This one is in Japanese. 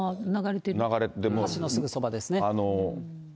橋のすぐそばですね。